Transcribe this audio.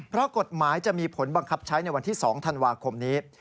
เพราะกฎหมายจะมีผลบังคับใช้ในวันที่๒ธันวาคมนี้